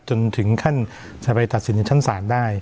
จนถึงขั้นจะไปตัดสินในชั้นศาลได้